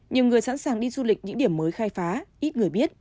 nhiều người sẵn sàng đi du lịch những điểm mới khai phá ít người biết